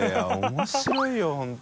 面白いよ本当。